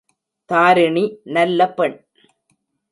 தாரிணி நல்ல பெண்.